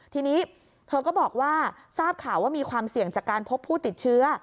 ทีนี้เธอก็บอกว่าทราบข่าวว่ามีความเสี่ยงจากการพบผู้ติดเชื้อ